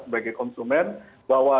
sebagai konsumen bahwa